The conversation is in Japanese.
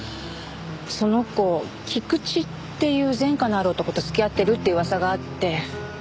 その子キクチっていう前科のある男と付き合ってるって噂があって。